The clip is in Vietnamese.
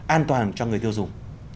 an toàn cho người tiêu dùng